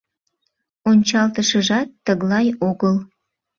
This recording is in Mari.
Ончалтышыжат тыглай огыл.